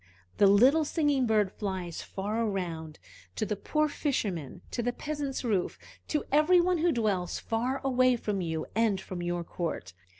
The little singing bird flies far around, to the poor fisherman, to the peasant's roof, to every one who dwells far away from you and from your court.